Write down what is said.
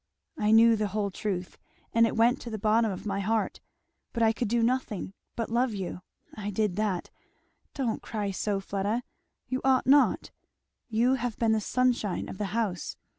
I knew the whole truth, and it went to the bottom of my heart; but I could do nothing but love you I did that! Don't cry so, Fleda! you ought not. You have been the sunshine of the house.